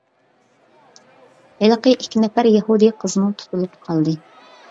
ھېلىقى ئىككى نەپەر يەھۇدىي قىزمۇ تۇتۇلۇپ قالدى.